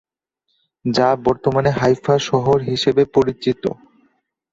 যা বর্তমানে হাইফা শহর হিসেবে পরিচিত।